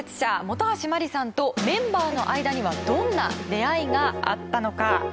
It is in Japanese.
本橋麻里さんとメンバーの間にはどんな出会いがあったのか？